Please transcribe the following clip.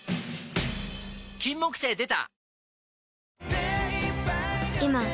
金木犀でた！